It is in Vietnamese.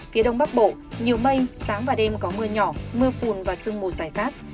phía đông bắc bộ nhiều mây sáng và đêm có mưa nhỏ mưa phùn và sương mù dài rác